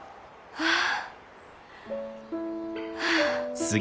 ああ。